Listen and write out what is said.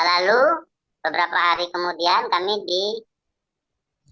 lalu beberapa hari kemudian kami di ms kan